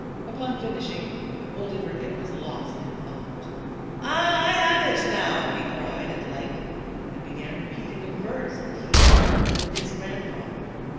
Upon finishing, old Ibrahim was lost in thought. " Ah, I have it now !" he cried at length, and began repeating a verse that he had learned from his grandfather.